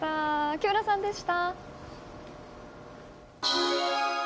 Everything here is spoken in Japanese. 木村さんでした。